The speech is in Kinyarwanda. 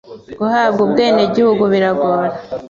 guhabwa ubwene gihugu biragora